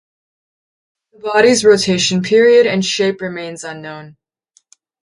The body's rotation period and shape remains unknown.